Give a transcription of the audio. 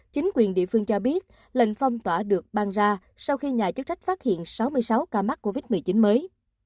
chính quyền địa phương cho biết lệnh phong tỏa được ban ra sau khi nhà chức trách phát hiện sáu mươi sáu ca mắc covid một mươi chín mới